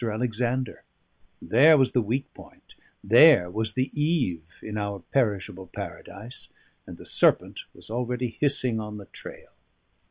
Alexander: there was the weak point, there was the Eve in our perishable paradise; and the serpent was already hissing on the trail.